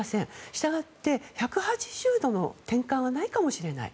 したがって、１８０度の転換はないかもしれない。